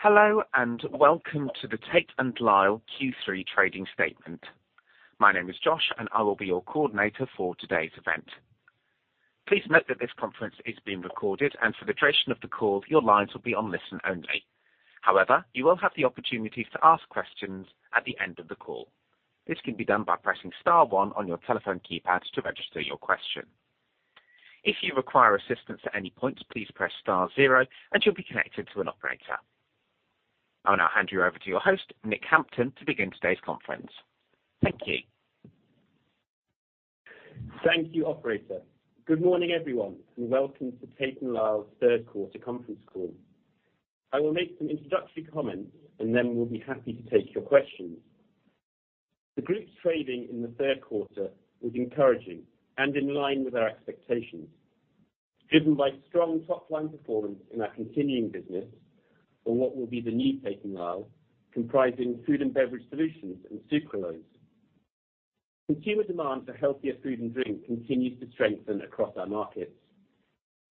Hello, and welcome to the Tate & Lyle Q3 trading statement. My name is Josh, and I will be your coordinator for today's event. Please note that this conference is being recorded, and for the duration of the call, your lines will be on listen only. However, you will have the opportunity to ask questions at the end of the call. This can be done by pressing star one on your telephone keypad to register your question. If you require assistance at any point, please press star zero and you'll be connected to an operator. I will now hand you over to your host, Nick Hampton, to begin today's conference. Thank you. Thank you, operator. Good morning, everyone, and welcome to Tate & Lyle's Third Quarter Conference C all. I will make some introductory comments, and then we'll be happy to take your questions. The group's trading in the third quarter was encouraging and in line with our expectations, driven by strong top-line performance in our continuing business or what will be the new Tate & Lyle, comprising Food & Beverage Solutions and sucralose. Consumer demand for healthier food and drink continues to strengthen across our markets.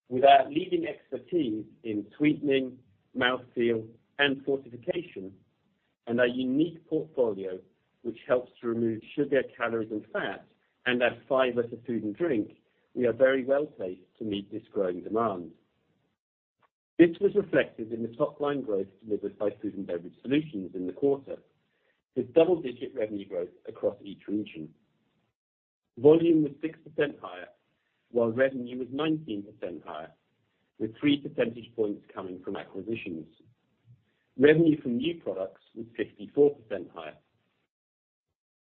With our leading expertise in sweetening, mouthfeel, and fortification, and our unique portfolio which helps to remove sugar, calories, and fat, and add our fiber to food and drink, we are very well-placed to meet this growing demand. This was reflected in the top-line growth delivered by Food & Beverage Solutions in the quarter, with double-digit revenue growth across each region. Volume was 6% higher, while revenue was 19% higher, with 3 percentage points coming from acquisitions. Revenue from new products was 54% higher.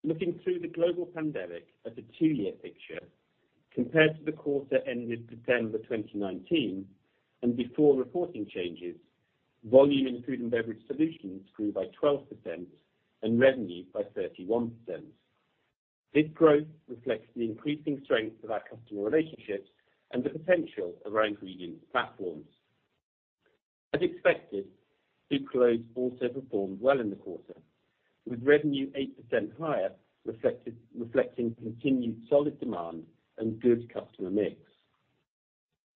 Looking through the global pandemic at the 2 year picture compared to the quarter ended September 2019 and before reporting changes, volume in Food & Beverage Solutions grew by 12% and revenue by 31%. This growth reflects the increasing strength of our customer relationships and the potential of our ingredient platforms. As expected, sucralose also performed well in the quarter, with revenue 8% higher, reflecting continued solid demand and good customer mix.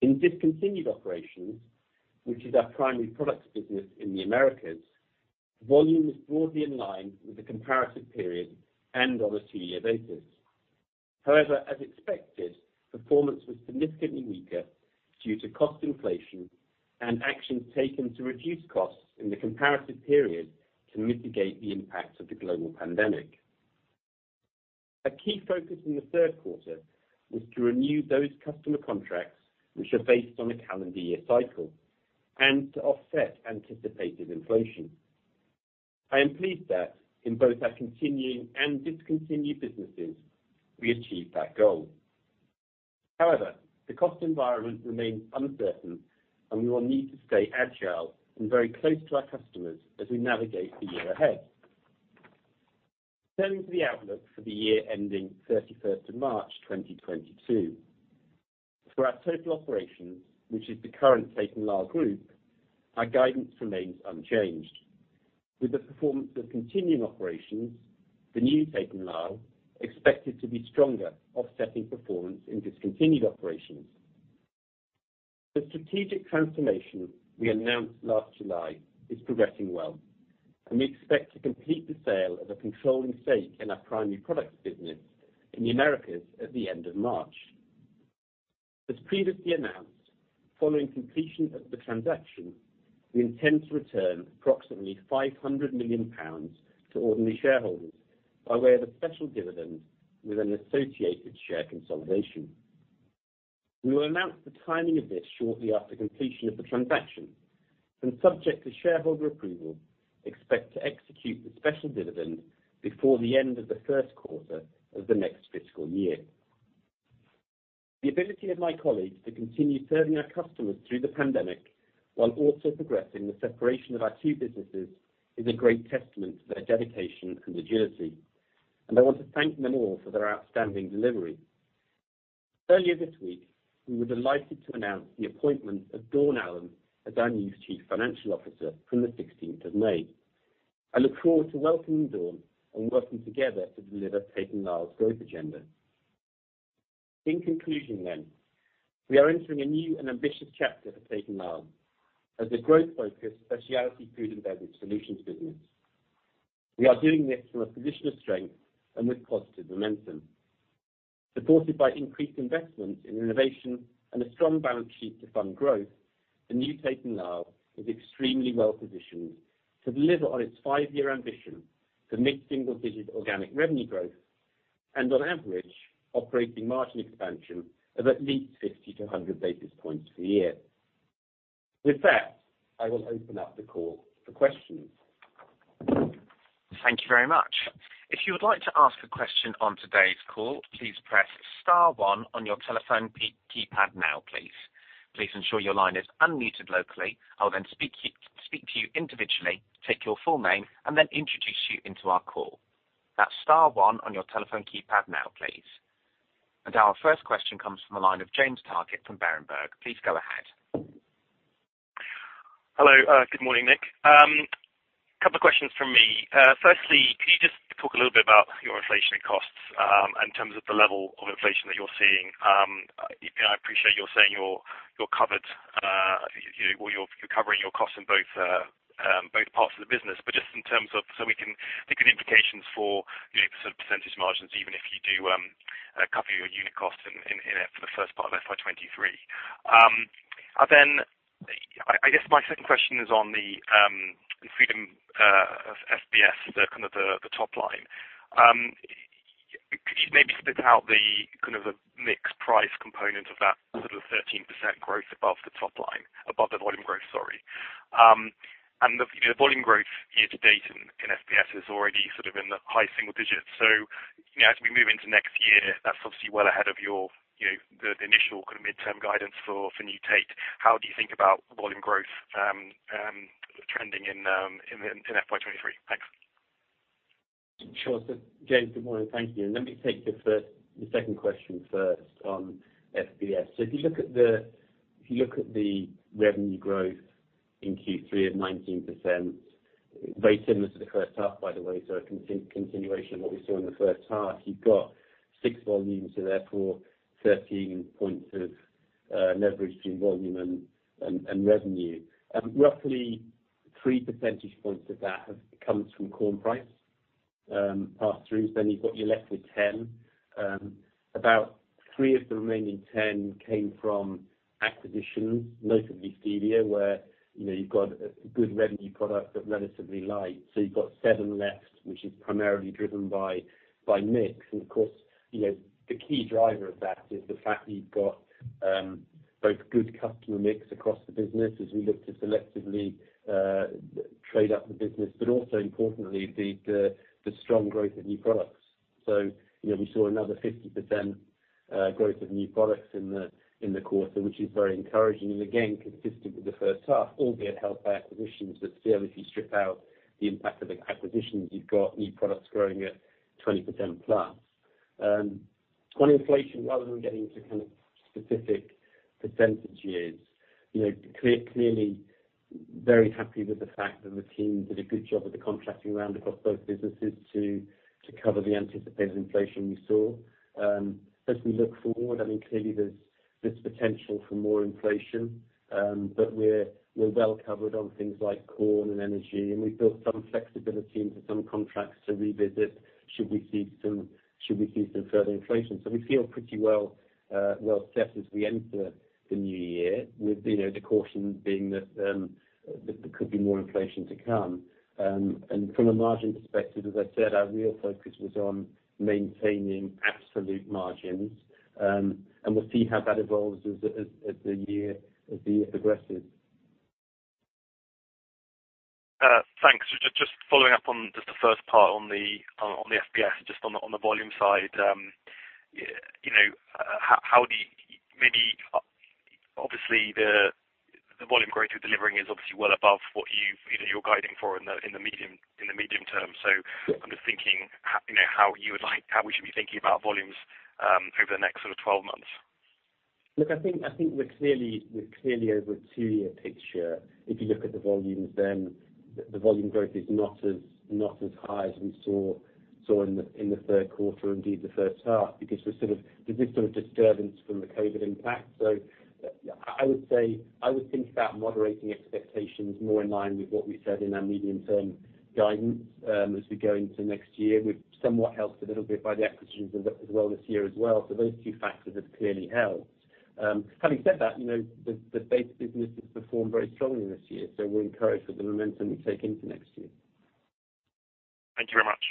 In discontinued operations, which is our Primary Products business in the Americas, volume was broadly in line with the comparative period and on a 2 year basis. However, as expected, performance was significantly weaker due to cost inflation and actions taken to reduce costs in the comparative period to mitigate the impact of the global pandemic. A key focus in the third quarter was to renew those customer contracts which are based on a calendar year cycle and to offset anticipated inflation. I am pleased that in both our continuing and discontinued businesses, we achieved that goal. However, the cost environment remains uncertain, and we will need to stay agile and very close to our customers as we navigate the year ahead. Turning to the outlook for the year ending March 31, 2022. For our total operations, which is the current Tate & Lyle group, our guidance remains unchanged. With the performance of continuing operations, the new Tate & Lyle expected to be stronger offsetting performance in discontinued operations. The strategic transformation we announced last July is progressing well, and we expect to complete the sale of a controlling stake in our Primary Products business in the Americas at the end of March. As previously announced, following completion of the transaction, we intend to return approximately 500 million pounds to ordinary shareholders by way of a special dividend with an associated share consolidation. We will announce the timing of this shortly after completion of the transaction, and subject to shareholder approval, expect to execute the special dividend before the end of the first quarter of the next fiscal year. The ability of my colleagues to continue serving our customers through the pandemic while also progressing the separation of our two businesses is a great testament to their dedication and agility, and I want to thank them all for their outstanding delivery. Earlier this week, we were delighted to announce the appointment of Dawn Allen as our new Chief Financial Officer from the 16 May. I look forward to welcoming Dawn and working together to deliver Tate & Lyle's growth agenda. In conclusion, we are entering a new and ambitious chapter for Tate & Lyle as a growth-focused specialty food and beverage solutions business. We are doing this from a position of strength and with positive momentum. Supported by increased investment in innovation and a strong balance sheet to fund growth, the new Tate & Lyle is extremely well positioned to deliver on its 5 year ambition to mid-single digit organic revenue growth and on average operating margin expansion of at least 50-100 basis points per year. With that, I will open up the call for questions. Thank you very much. If you would like to ask a question on today's call, please press star one on your telephone keypad now, please. Please ensure your line is unmuted locally. I will then speak to you individually, take your full name, and then introduce you into our call. That's star one on your telephone keypad now, please. Our first question comes from the line of James Targett from Berenberg. Please go ahead. Hello. Good morning, Nick. Couple of questions from me. Firstly, can you just talk a little bit about your inflation costs, in terms of the level of inflation that you're seeing? You know, I appreciate you're saying you're covered, you know, or you're covering your costs in both parts of the business. Just in terms of so we can think of implications for, you know, sort of percentage margins, even if you do cover your unit costs in for the first part of FY 2023. I guess my second question is on the performance of FBS, the kind of the top line. Could you maybe split out the kind of the mixed price component of that sort of 13% growth above the top line? Above the volume growth, sorry. Volume growth year to date in FBS is already sort of in the high single digits. You know, as we move into next year, that's obviously well ahead of your, you know, the initial kind of midterm guidance for New Tate. How do you think about volume growth trending in FY 2023? Thanks. Sure. James, good morning. Thank you. Let me take the second question first on FBS. If you look at the revenue growth in Q3 of 19%, very similar to the first half, by the way, a continuation of what we saw in the first half. You've got six volumes and therefore 13 points of leverage between volume and revenue. Roughly 3 percentage points of that comes from corn price pass-throughs, then you're left with 10. About 3 of the remaining 10 came from acquisitions, notably stevia, where, you know, you've got a good revenue product but relatively light. You've got 7 left, which is primarily driven by mix. Of course, you know, the key driver of that is the fact that you've got both good customer mix across the business as we look to selectively trade up the business, but also importantly, the strong growth of new products. You know, we saw another 50% growth of new products in the quarter, which is very encouraging. Again, consistent with the first half, albeit helped by acquisitions, but still, if you strip out the impact of the acquisitions, you've got new products growing at 20%+. On inflation, rather than getting into kind of specific percentages, you know, clearly very happy with the fact that the team did a good job with the contracting round across both businesses to cover the anticipated inflation we saw. As we look forward, I mean, clearly there's potential for more inflation, but we're well covered on things like corn and energy, and we've built some flexibility into some contracts to revisit should we see some further inflation. We feel pretty well set as we enter the new year with, you know, the caution being that there could be more inflation to come. From a margin perspective, as I said, our real focus was on maintaining absolute margins, and we'll see how that evolves as the year progresses. Thanks. Just following up on just the first part on the FBS, just on the volume side, you know, how do you... Maybe obviously, the volume growth you're delivering is obviously well above what you've, you know, you're guiding for in the medium term. I'm just thinking, you know, how we should be thinking about volumes over the next sort of 12 months? Look, I think we're clearly over a 2 year picture. If you look at the volumes, then the volume growth is not as high as we saw in the third quarter, indeed the first half, because there's this sort of disturbance from the COVID impact. I would say, I would think about moderating expectations more in line with what we said in our medium-term guidance, as we go into next year. We've somewhat helped a little bit by the acquisitions as well this year. Those two factors have clearly helped. Having said that, you know, the base business has performed very strongly this year, so we're encouraged with the momentum we take into next year. Thank you very much.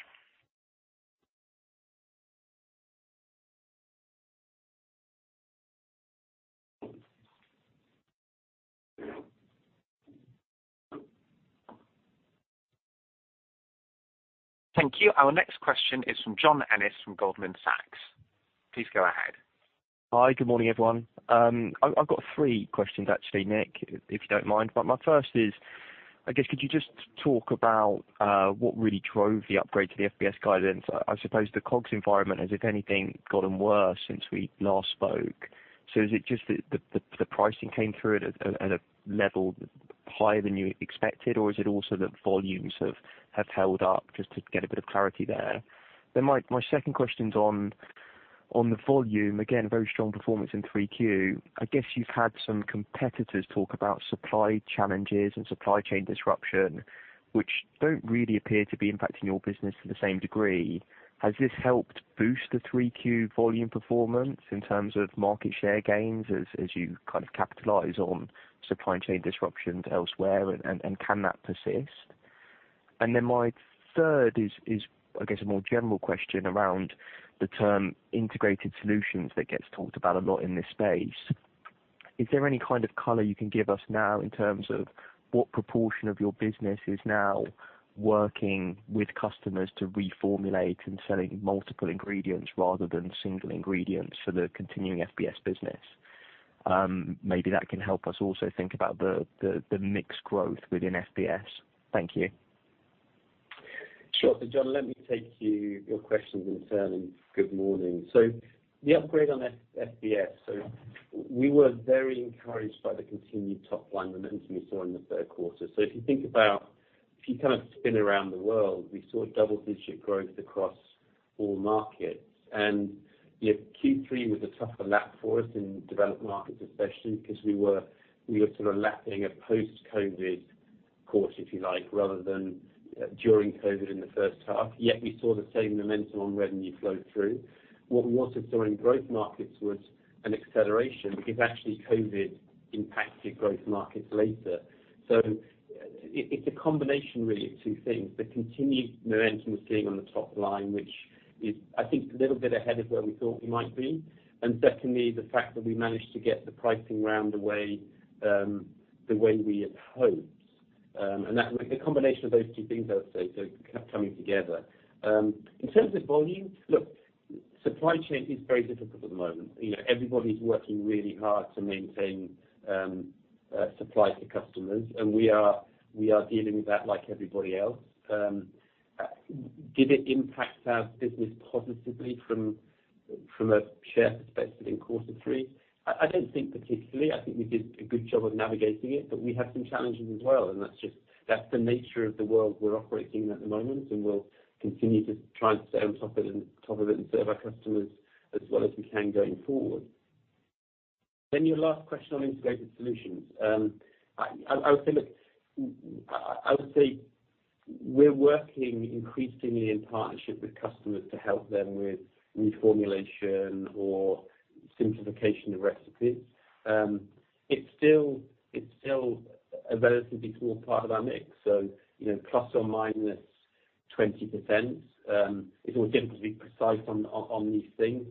Thank you. Our next question is from John Ennis from Goldman Sachs. Please go ahead. Hi. Good morning, everyone. I've got three questions actually, Nick, if you don't mind. My first is, I guess could you just talk about what really drove the upgrade to the FBS guidance? I suppose the costs environment has, if anything, gotten worse since we last spoke. Is it just the pricing came through at a level higher than you expected, or is it also that volumes have held up just to get a bit of clarity there? My second question's on the volume. Again, very strong performance in 3Q. I guess you've had some competitors talk about supply challenges and supply chain disruption, which don't really appear to be impacting your business to the same degree. Has this helped boost the 3Q volume performance in terms of market share gains as you kind of capitalize on supply chain disruptions elsewhere and can that persist? My third is I guess a more general question around the term integrated solutions that gets talked about a lot in this space. Is there any kind of color you can give us now in terms of what proportion of your business is now working with customers to reformulate and selling multiple ingredients rather than single ingredients for the continuing FBS business? Maybe that can help us also think about the mix growth within FBS. Thank you. Sure. John, let me take your questions in turn and good morning. The upgrade on FBS, we were very encouraged by the continued top line momentum we saw in the third quarter. If you think about, if you kind of spin around the world, we saw double-digit growth across all markets. You know, Q3 was a tougher lap for us in developed markets, especially because we were sort of lapping a post-COVID costs, if you like, rather than during COVID in the first half. Yet we saw the same momentum on revenue flow through. What we also saw in growth markets was an acceleration because actually COVID impacted growth markets later. It's a combination really of two things. The continued momentum we're seeing on the top line, which is I think a little bit ahead of where we thought we might be. Secondly, the fact that we managed to get the pricing round the way, the way we had hoped. That was the combination of those two things, I would say, so kind of coming together. In terms of volume, look, supply chain is very difficult at the moment. You know, everybody's working really hard to maintain supply to customers, and we are dealing with that like everybody else. Did it impact our business positively from a share perspective in quarter three? I don't think particularly. I think we did a good job of navigating it, but we have some challenges as well, and that's just the nature of the world we're operating in at the moment, and we'll continue to try and stay on top of it and serve our customers as well as we can going forward. Your last question on integrated solutions. I would say, look, I would say we're working increasingly in partnership with customers to help them with reformulation or simplification of recipes. It's still a relatively small part of our mix, so you know, plus or minus 20%. It's always difficult to be precise on these things.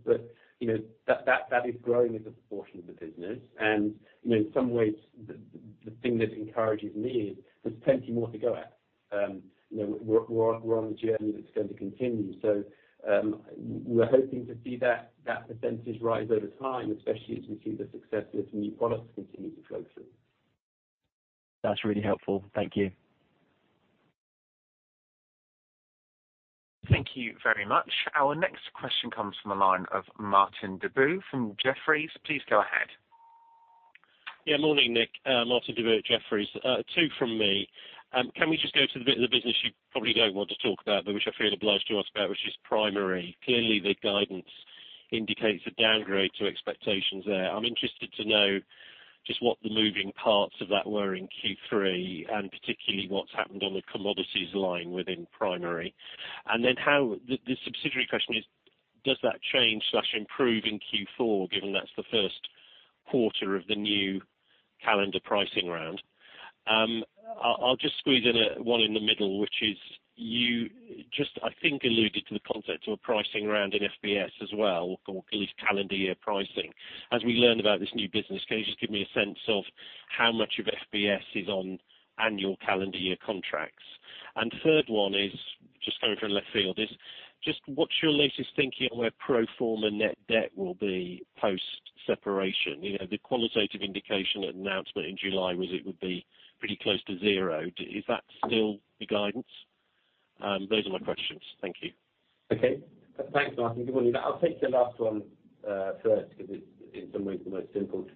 You know, that is growing as a proportion of the business. You know, in some ways the thing that encourages me is there's plenty more to go at. You know, we're on a journey that's going to continue. We're hoping to see that percentage rise over time, especially as we see the success of new products continue to flow through. That's really helpful. Thank you. Thank you very much. Our next question comes from the line of Martin Deboo from Jefferies. Please go ahead. Yeah. Morning, Nick. Martin Deboo, Jefferies. Two from me. Can we just go to the bit of the business you probably don't want to talk about, but which I feel obliged to ask about, which is primary. Clearly, the guidance indicates a downgrade to expectations there. I'm interested to know just what the moving parts of that were in Q3, and particularly what's happened on the commodities line within primary? And then the subsidiary question is, does that change slash improve in Q4, given that's the first quarter of the new calendar pricing round? I'll just squeeze in a one in the middle, which is, you just, I think, alluded to the concept of a pricing round in FBS as well, or at least calendar year pricing. As we learn about this new business, can you just give me a sense of how much of FBS is on annual calendar year contracts? Third one is just coming from left field is just what's your latest thinking on where pro forma net debt will be post-separation? You know, the qualitative indication announcement in July was it would be pretty close to zero. Is that still the guidance? Those are my questions. Thank you. Okay. Thanks, Martin. Good morning. I'll take the last one first 'cause it's in some ways the most simple.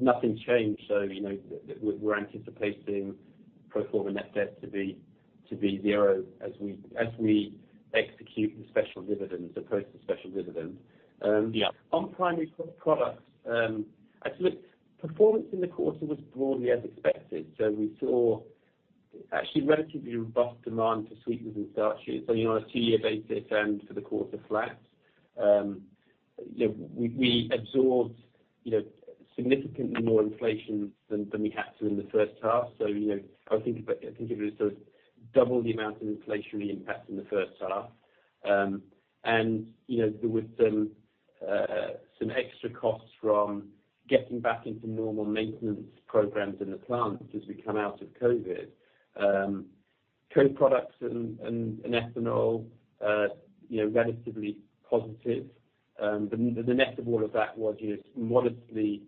Nothing's changed. You know, we're anticipating pro forma net debt to be zero as we execute the special dividends or post the special dividends. Yeah. On Primary Products, I'd say, look, performance in the quarter was broadly as expected. We saw actually relatively robust demand for sweeteners and starches, you know, on a two-year basis and for the quarter flat. You know, we absorbed, you know, significantly more inflation than we had to in the first half. You know, I think of it as sort of double the amount of inflationary impact in the first half. You know, there was some extra costs from getting back into normal maintenance programs in the plant as we come out of COVID. Co-products and ethanol, you know, relatively positive. The net of all of that was just modestly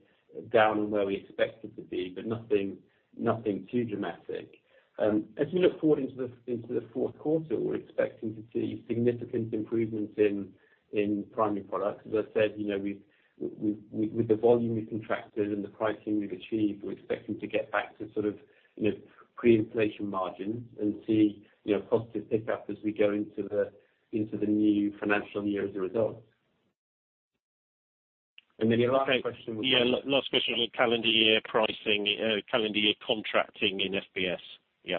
down on where we expected to be, but nothing too dramatic. As we look forward into the fourth quarter, we're expecting to see significant improvements in Primary Products. As I said, you know, with the volume we've contracted and the pricing we've achieved, we're expecting to get back to sort of, you know, pre-inflation margins and see, you know, positive pick-up as we go into the new financial year as a result. Your last question was Yeah, last question on calendar year pricing, calendar year contracting in FBS.? Yeah.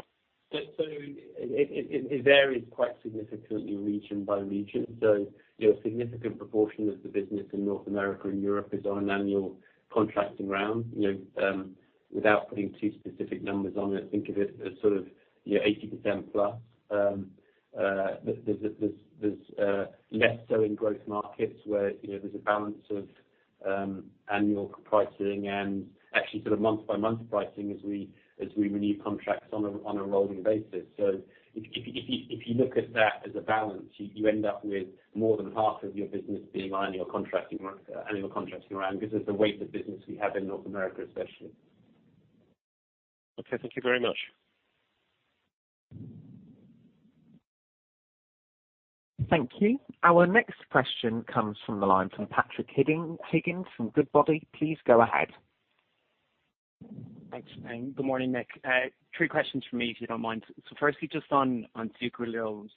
It varies quite significantly, region by region. You know, a significant proportion of the business in North America and Europe is on annual contracting round. You know, without putting too specific numbers on it, think of it as sort of, you know, 80%+. There's less so in growth markets where, you know, there's a balance of annual pricing and actually sort of month by month pricing as we renew contracts on a rolling basis. If you look at that as a balance, you end up with more than half of your business being annual contracting round because it's the weight of business we have in North America especially. Okay, thank you very much. Thank you. Our next question comes from the line of Patrick Higgins from Goodbody. Please go ahead. Thanks, good morning, Nick. Three questions from me, if you don't mind. Firstly, just on sucralose.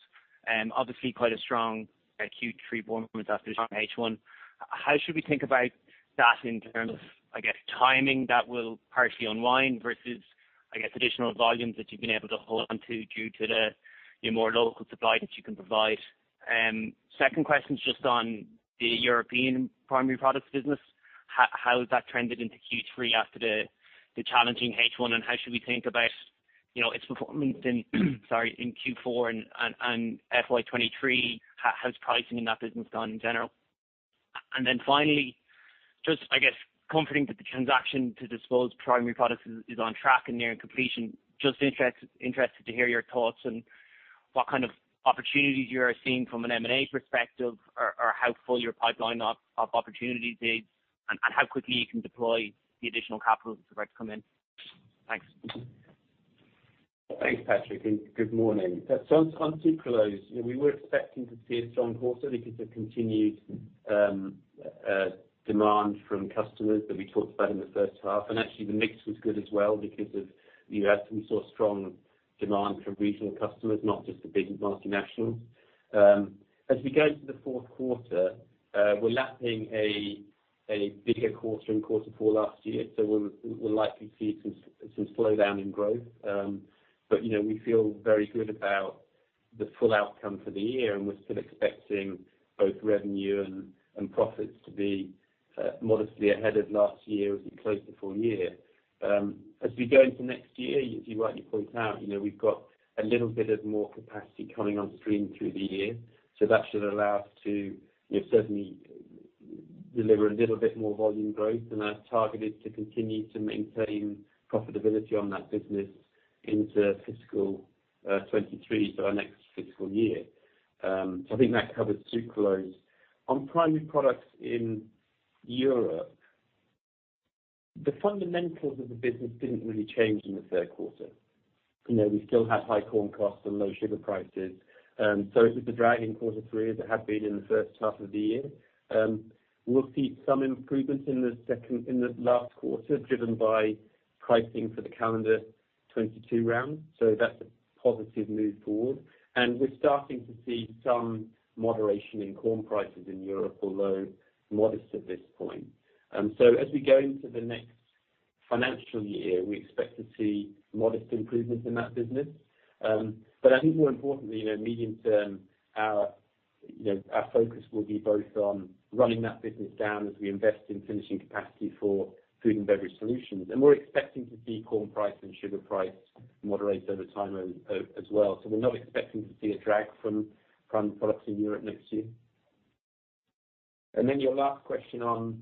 Obviously quite a strong Q3 performance after a strong H1. How should we think about that in terms of, I guess, timing that will partially unwind versus, I guess, additional volumes that you've been able to hold on to 2Q to the, your more local supply that you can provide? Second question is just on the European Primary Products business. How has that trended into Q3 after the challenging H1, and how should we think about, you know, its performance in Q4 and FY 2023? How's pricing in that business gone in general? Then finally, just I guess, comforting that the transaction to dispose Primary Products is on track and nearing completion. Just interested to hear your thoughts and what kind of opportunities you are seeing from an M&A perspective, or how full your pipeline of opportunities is, and how quickly you can deploy the additional capital that's about to come in. Thanks. Thanks, Patrick, and good morning. On sucralose, you know, we were expecting to see a strong quarter because of continued demand from customers that we talked about in the first half. Actually, the mix was good as well because of the U.S. We saw strong demand from regional customers, not just the big multinationals. As we go into the fourth quarter, we're lapping a bigger quarter in quarter four last year, so we'll likely see some slowdown in growth. You know, we feel very good about the full outcome for the year, and we're still expecting both revenue and profits to be modestly ahead of last year as we close the full year. As we go into next year, as you rightly point out, you know, we've got a little bit more capacity coming on stream through the year. That should allow us to, you know, certainly deliver a little bit more volume growth. Our target is to continue to maintain profitability on that business into fiscal 2023, so our next fiscal year. I think that covers sucralose. On Primary Products in Europe, the fundamentals of the business didn't really change in the third quarter. You know, we still had high corn costs and low sugar prices, so it was a drag in quarter three, as it had been in the first half of the year. We'll see some improvements in the last quarter, driven by pricing for the calendar 2022 round, so that's a positive move forward. We're starting to see some moderation in corn prices in Europe, although modest at this point. As we go into the next financial year, we expect to see modest improvements in that business. But I think more importantly, you know, medium term, our, you know, our focus will be both on running that business down as we invest in finishing capacity for Food and Beverage Solutions. We're expecting to see corn price and sugar price moderate over time, as well. We're not expecting to see a drag from Primary Products in Europe next year. Your last question on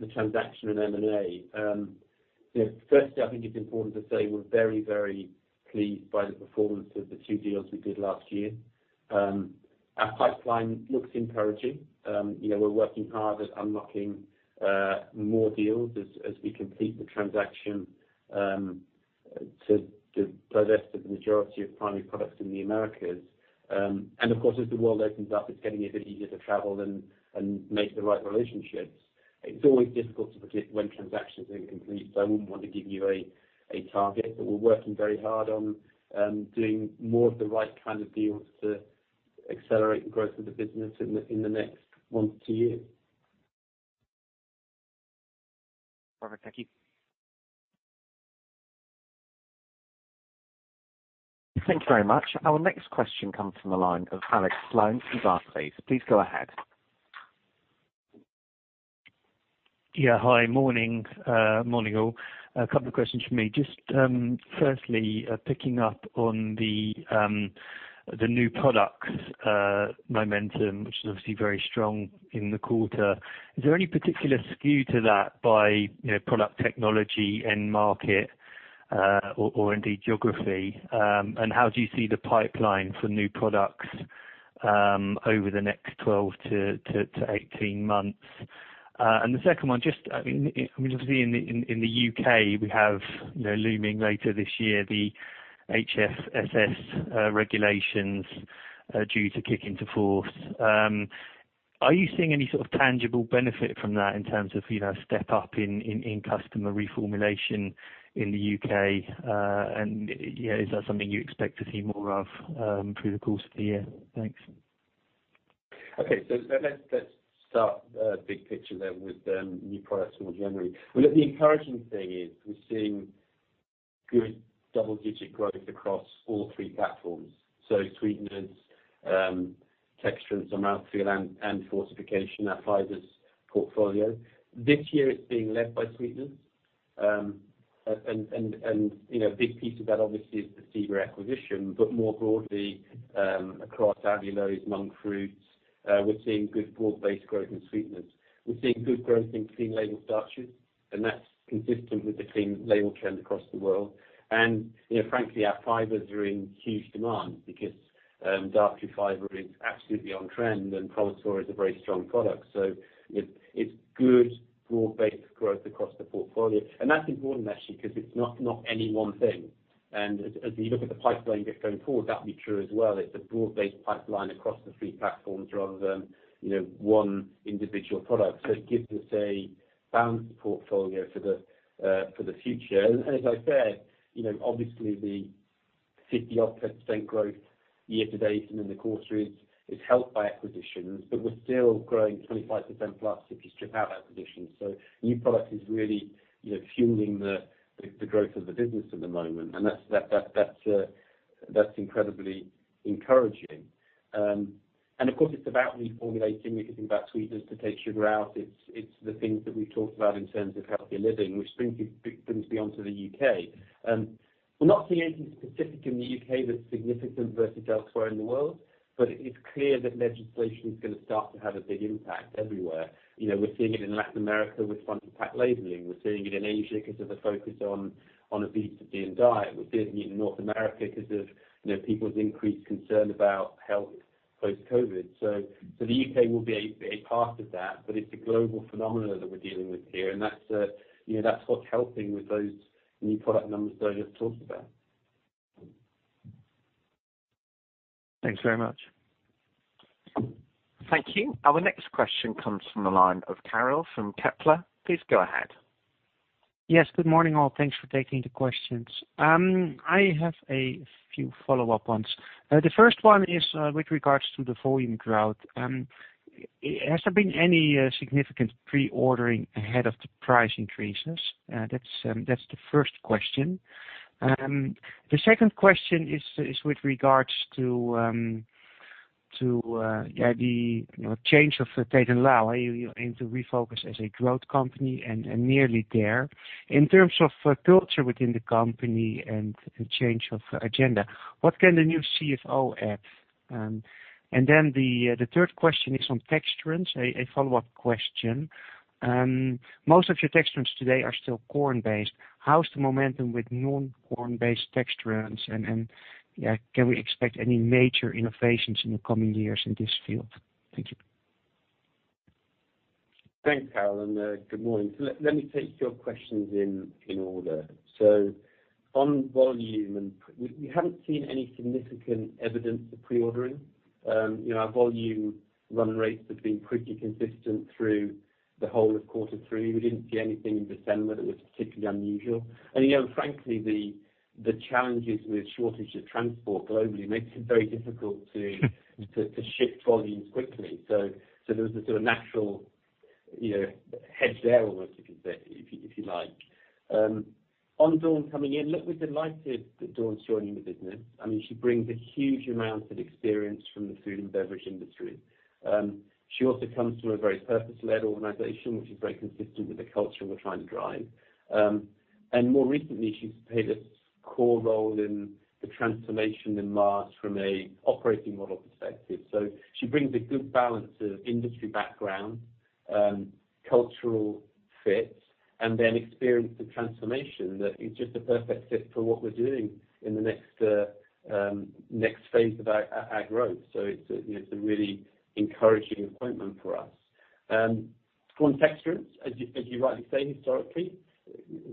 the transaction and M&A. You know, firstly, I think it's important to say we're very, very pleased by the performance of the two deals we did last year. Our pipeline looks encouraging. You know, we're working hard at unlocking more deals as we complete the transaction to progress to the majority of Primary Products in the Americas. Of course, as the world opens up, it's getting a bit easier to travel and make the right relationships. It's always difficult to predict when transactions are going to complete, so I wouldn't want to give you a target. We're working very hard on doing more of the right kind of deals to accelerate the growth of the business in the next 1 to 2 years. Perfect. Thank you. Thank you very much. Our next question comes from the line of Alex Sloane from Barclays. Please go ahead. Yeah. Hi. Morning. Morning, all. A couple of questions from me. Just firstly, picking up on the new products momentum, which is obviously very strong in the quarter. Is there any particular skew to that by, you know, product technology, end market, or indeed geography? How do you see the pipeline for new products over the next 12 to 18 months? The second one, just I mean, just being in the U.K. we have, you know, looming later this year the HFSS regulations due to kick into force. Are you seeing any sort of tangible benefit from that in terms of, you know, step up in customer reformulation in the U.K.? You know, is that something you expect to see more of through the course of the year? Thanks. Okay. Let's start big picture there with the new products more generally. Well, look, the encouraging thing is we're seeing good double-digit growth across all three platforms. Sweeteners, Texturants and Mouthfeel and Fortification, our fibers portfolio. This year it's being led by sweeteners. You know, a big piece of that obviously is the stevia acquisition. More broadly, across allulose, monk fruit, we're seeing good broad-based growth in Sweeteners. We're seeing good growth in clean label starches, and that's consistent with the clean label trend across the world. You know, frankly, our fibers are in huge demand because dietary fiber is absolutely on trend, and PROMITOR is a very strong product. It's good broad-based growth across the portfolio. That's important actually because it's not any one thing. As we look at the pipeline going forward, that'll be true as well. It's a broad-based pipeline across the three platforms rather than, you know, one individual product. It gives us a balanced portfolio for the future. As I said, you know, obviously the 50% odd growth year-to-date and in the quarter is helped by acquisitions, but we're still growing 25%+ if you strip out acquisitions. New product is really, you know, fueling the growth of the business at the moment. And that's incredibly encouraging. Of course, it's about reformulating. If you think about Sweeteners to take sugar out, it's the things that we've talked about in terms of healthier living, which brings me on to the U.K. We're not seeing anything specific in the U.K. that's significant versus elsewhere in the world, but it is clear that legislation is gonna start to have a big impact everywhere. You know, we're seeing it in Latin America with front-of-pack labeling. We're seeing it in Asia because of the focus on obesity and diet. We're seeing it in North America because of, you know, people's increased concern about health post-COVID. The U.K. will be a part of that, but it's a global phenomenon that we're dealing with here, and that's, you know, what's helping with those new product numbers that I just talked about. Thanks very much. Thank you. Our next question comes from the line of Karel from Kepler. Please go ahead. Yes, good morning, all. Thanks for taking the questions. I have a few follow-up ones. The first one is with regards to the volume growth. Has there been any significant pre-ordering ahead of the price increases? That's the first question. The second question is with regards to the change of Tate & Lyle. You know, you aim to refocus as a growth company and nearly there. In terms of culture within the company and change of agenda, what can the new CFO add? The third question is on texturants, a follow-up question. Most of your texturants today are still corn-based. How's the momentum with non-corn-based texturants, and yeah, can we expect any major innovations in the coming years in this field? Thank you. Thanks, Karel, and good morning. Let me take your questions in order. On volume and we haven't seen any significant evidence of pre-ordering. You know, our volume run rates have been pretty consistent through the whole of quarter three. We didn't see anything in December that was particularly unusual. You know, frankly, the challenges with shortage of transport globally makes it very difficult to ship volumes quickly. There was a sort of natural, you know, hedge there, almost you could say, if you like. On Dawn coming in, look, we're delighted that Dawn's joining the business. I mean, she brings a huge amount of experience from the food and beverage industry. She also comes from a very purpose-led organization, which is very consistent with the culture we're trying to drive. More recently, she's played a core role in the transformation in Mars from an operating model perspective. She brings a good balance of industry background, cultural fit, and then experience of transformation that is just a perfect fit for what we're doing in the next phase of our growth. It's a, you know, really encouraging appointment for us. On texturants, as you rightly say, historically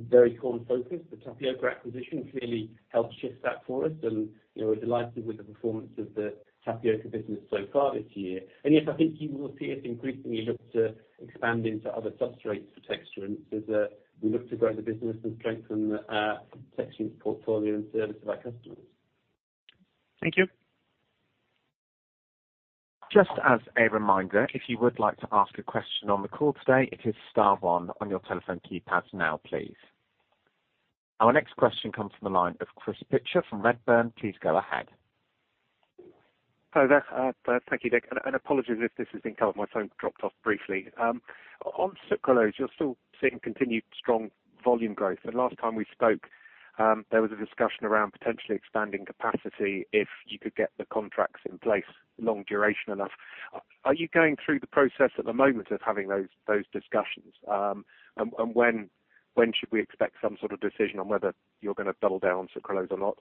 very corn focused. The tapioca acquisition clearly helped shift that for us, and, you know, we're delighted with the performance of the tapioca business so far this year. Yes, I think you will see us increasingly look to expand into other substrates for texturants as we look to grow the business and strengthen our texturants portfolio in service of our customers. Thank you. Just as a reminder, if you would like to ask a question on the call today, it is star one on your telephone keypad now, please. Our next question comes from the line of Chris Pitcher from Redburn. Please go ahead. Hi there. Thank you, Nick. Apologies if this has been covered. My phone dropped off briefly. On sucralose, you're still seeing continued strong volume growth. The last time we spoke, there was a discussion around potentially expanding capacity if you could get the contracts in place long duration enough. Are you going through the process at the moment of having those discussions? When should we expect some sort of decision on whether you're gonna double down on sucralose or not?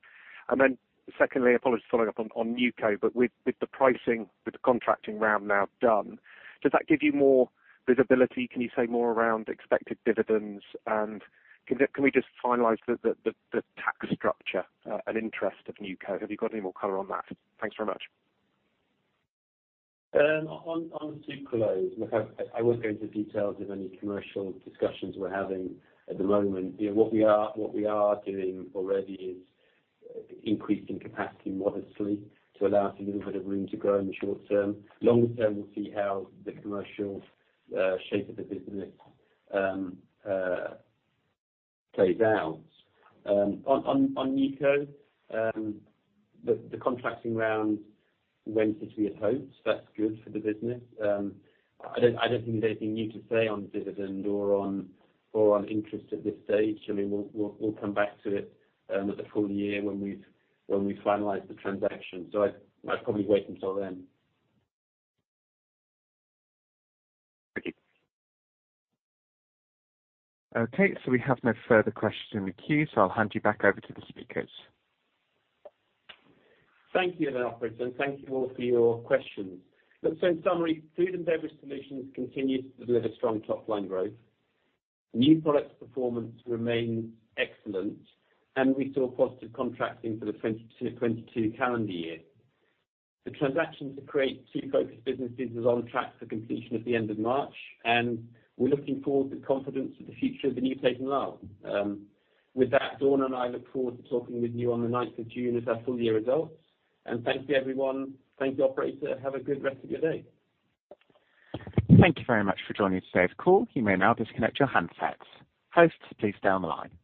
Secondly, apologies following up on NewCo, but with the pricing, with the contracting round now done, does that give you more visibility? Can you say more around expected dividends? Can we just finalize the tax structure and interest of NewCo? Have you got any more color on that? Thanks very much. On sucralose, look, I won't go into details of any commercial discussions we're having at the moment. You know, what we are doing already is increasing capacity modestly to allow us a little bit of room to grow in the short term. Long term, we'll see how the commercial shape of the business plays out. On NewCo, the contracting round went as we had hoped. That's good for the business. I don't think there's anything new to say on dividend or on interest at this stage. I mean, we'll come back to it at the full year when we finalize the transaction. I'd probably wait until then. Thank you. Okay, we have no further questions in the queue, so I'll hand you back over to the speakers. Thank you, operator, and thank you all for your questions. Look, in summary, Food & Beverage Solutions continues to deliver strong top-line growth. New products performance remains excellent, and we saw positive contracting for the 2022 calendar year. The transaction to create two focused businesses is on track for completion at the end of March, and we're looking forward with confidence to the future of the new Tate & Lyle. With that, Dawn and I look forward to talking with you on the 9 June at our full year results. Thank you, everyone. Thank you, operator. Have a good rest of your day. Thank you very much for joining today's call. You may now disconnect your handsets. Hosts, please stay on the line.